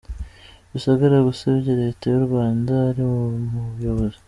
Rusagara gusebya Leta y’u Rwanda ari umuyobozi.